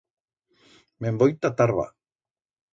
Me'n voi ta Tarba.